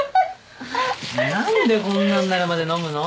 何でこんなんなるまで飲むの？